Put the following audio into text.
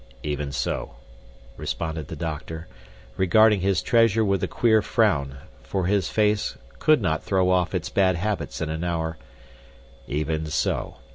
"Even so," responded the doctor, regarding his treasure with a queer frown, for his face could not throw off its bad habits in an hour, "even so.